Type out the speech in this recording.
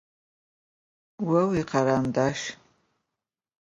Vo vuikarandaşş.